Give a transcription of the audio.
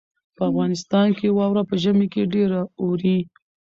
په افغانستان کې واوره په ژمي کې ډېره اوري.